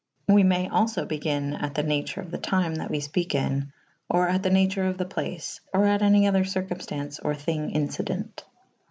We may alfo begyn at the nature of the tyme that we fpeke in/ or at the nature of the place / or at any other circumftaunce or thynge incident.